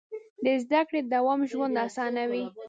د زده کړې دوام ژوند اسانوي.